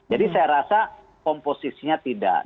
jadi saya rasa komposisinya tidak